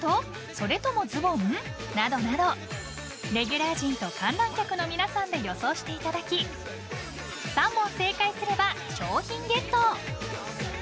それともズボン？などなどレギュラー陣と観覧客の皆さんで予想していただき３問正解すれば賞品ゲット！